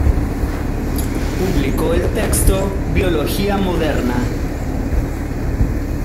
Publicó el texto "Biología Moderna".